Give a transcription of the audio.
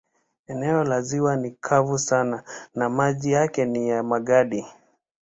Eneo la ziwa ni kavu sana na maji yake ni ya magadi.